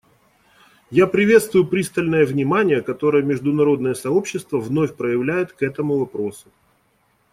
Я приветствую пристальное внимание, которое международное сообщество вновь проявляет к этому вопросу.